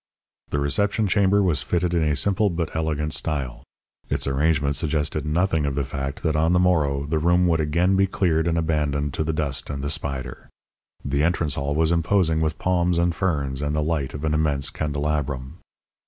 The reception chamber was fitted in a simple but elegant style. Its arrangement suggested nothing of the fact that on the morrow the room would again be cleared and abandoned to the dust and the spider. The entrance hall was imposing with palms and ferns and the light of an immense candelabrum.